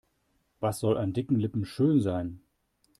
Was soll an dicken Lippen schön sein?